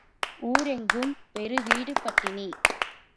ஊர் எங்கும் பேறு வீடு பட்டினி.